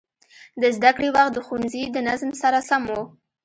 د زده کړې وخت د ښوونځي د نظم سره سم و.